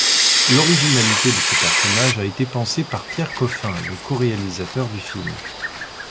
L'originalité de ces personnages a été pensée par Pierre Coffin, le coréalisateur du film.